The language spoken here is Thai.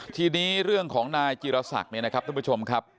ทีนี้เรื่องของนายจิรศักดิ์เนี่ยนะครับท่านผู้ชมครับ